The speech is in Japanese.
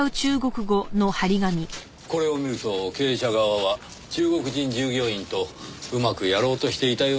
これを見ると経営者側は中国人従業員とうまくやろうとしていたように見えますがねぇ。